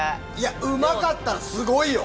うまかったらすごいよ。